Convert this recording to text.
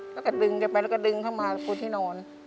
แล้วก็ดึงไปแล้วก็ดึงเข้ามาพูดให้นอน